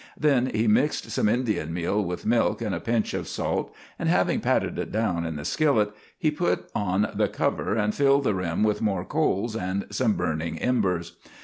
Then he mixed some Indian meal with milk and a pinch of salt, and having patted it down in the skillet, he put on the cover, and filled the rim with more coals and some burning embers.